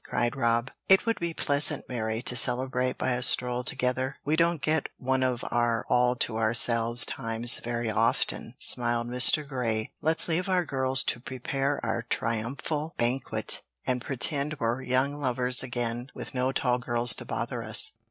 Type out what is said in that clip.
cried Rob. "It would be pleasant, Mary, to celebrate by a stroll together; we don't get one of our all to ourselves times very often," smiled Mr. Grey. "Let's leave our girls to prepare our triumphal banquet, and pretend we're young lovers again, with no tall girls to bother us."